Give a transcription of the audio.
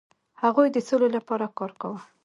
هغوی د سولې لپاره کار کاوه.